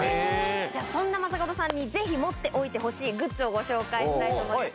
そんな正門さんにぜひ持っておいてほしいグッズをご紹介したいと思います